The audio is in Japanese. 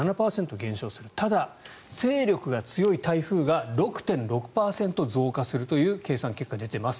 ただ、勢力が強い台風が６．６％増加するという計算結果が出ています。